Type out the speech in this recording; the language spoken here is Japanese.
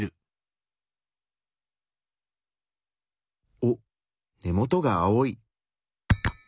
おっ根元が青い。